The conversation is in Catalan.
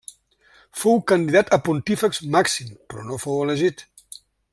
Fou candidat a Pontífex Màxim, però no fou elegit.